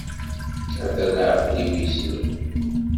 Ata leɛqel-iw yesleb.